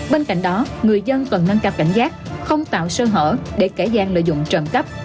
bên cạnh đó người dân cần nâng cấp cảnh giác không tạo sơ hở để kẻ gian lợi dụng trầm cấp